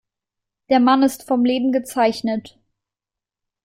Der Mann ist vom Leben gezeichnet.